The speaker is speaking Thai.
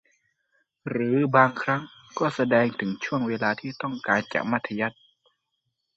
หรือบางครั้งก็แสดงถึงช่วงเวลาที่ต้องการจะมัธยัสถ์